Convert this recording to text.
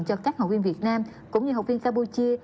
cho các học viên việt nam cũng như học viên campuchia